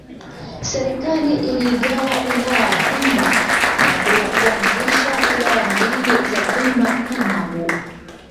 Serikali iliigawa Wilaya ya Kwimba na kuanzisha Wilaya mbili za Kwimba na Magu